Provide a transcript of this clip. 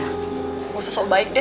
nggak usah soal baik deh